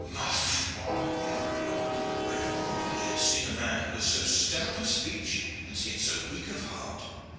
"Ma foi!" the other cried, "I have never yet seen a man who was so stout of speech and yet so weak of heart."